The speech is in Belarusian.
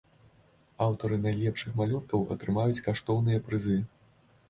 Аўтары найлепшых малюнкаў атрымаюць каштоўныя прызы.